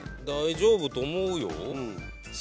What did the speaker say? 大丈夫と思うよ。